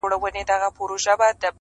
ډاکټر اسلم خان تسنیم